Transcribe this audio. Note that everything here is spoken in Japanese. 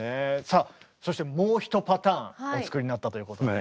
さあそしてもう１パターンお作りになったということで。